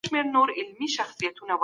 زندانونو کي د بندیانو حقونه ساتل کیدل.